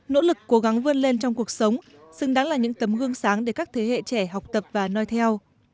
nỗ lực cố gắng vươn lên trong cuộc sống xứng đáng là những tấm gương sáng để các thế hệ trẻ học tập và nói theo